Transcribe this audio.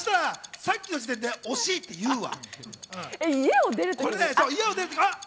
さっきの時点で惜しいっていうから。